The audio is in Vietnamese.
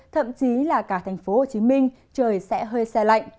thậm chí là cả thành phố hồ chí minh trời sẽ hơi xe lạnh